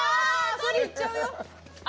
そり、行っちゃうよ。